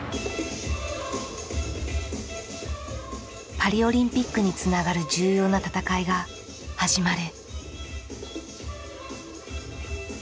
パリオリンピックにつながる重要な戦いが始まる。